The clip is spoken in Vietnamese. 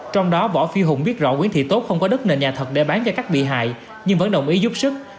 trong đó võ phi hùng biết rõ nguyễn thị tốt không có đất nền nhà thật để bán cho các bị hại nhưng vẫn đồng ý giúp sức